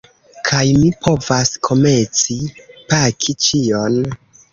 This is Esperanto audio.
Kaj mi povas komeci paki ĉion.